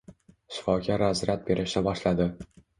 Shifokor razryad berishni boshladi